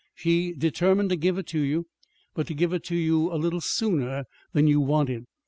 She determined to give it to you but to give it to you a little sooner than you wanted.